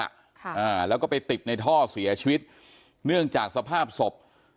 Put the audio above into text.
อ่าแล้วก็ไปติดในท่อเสียชีวิตเนื่องจากสภาพศพ